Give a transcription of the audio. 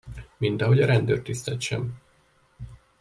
Mint ahogy a rendőrtisztet sem.